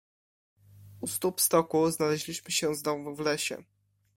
"U stóp stoku znaleźliśmy się znowu w lesie."